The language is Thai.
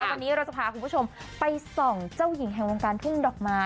วันนี้เราจะพาคุณผู้ชมไปส่องเจ้าหญิงแห่งวงการทุ่งดอกไม้